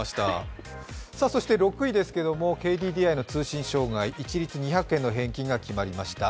そして６位ですけれどもＫＤＤＩの通信障害、一律２００円の返金が決まりました。